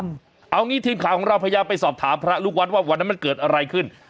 เอางี้ทีมข่าวของเราพยายามไปสอบถามพระลูกวัดว่าวันนั้นมันเกิดอะไรขึ้น